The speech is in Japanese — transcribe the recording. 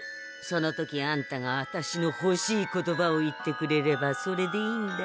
その時あんたがあたしのほしい言葉を言ってくれればそれでいいんだ。